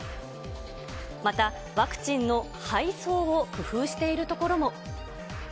またワクチンの配送を工夫している所も。